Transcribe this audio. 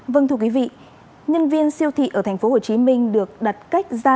vâng thưa quý vị nhân viên siêu thị ở tp hcm được đặt cách ra